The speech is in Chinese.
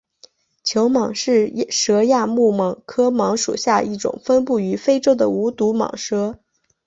球蟒是蛇亚目蟒科蟒属下一种分布于非洲的无毒蟒蛇。